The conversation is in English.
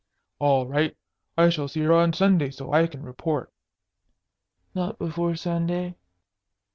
"All right. I shall see her on Sunday, so I can report." "Not before Sunday?"